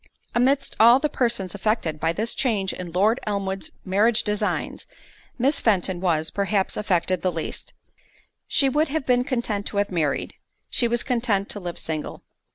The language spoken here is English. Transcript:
Amidst all the persons affected by this change in Lord Elmwood's marriage designs, Miss Fenton was, perhaps, affected the least—she would have been content to have married, she was content to live single.